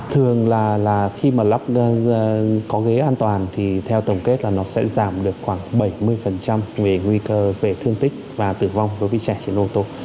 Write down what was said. thường là khi mà lắp có ghế an toàn thì theo tổng kết là nó sẽ giảm được khoảng bảy mươi về nguy cơ về thương tích và tử vong đối với trẻ trên ô tô